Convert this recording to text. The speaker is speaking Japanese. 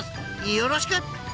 ［よろしく！］